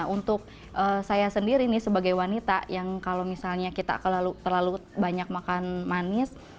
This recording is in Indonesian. untuk saya sendiri nih sebagai wanita yang kalau misalnya kita terlalu banyak makan manis